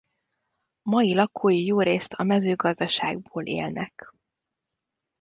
Mai lakói jórészt a mezőgazdaságból élnek.